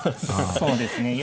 そうですねいや。